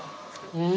うん。